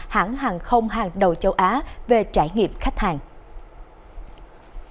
hãng hàng không hàng đầu châu á về trải nghiệm khách hàng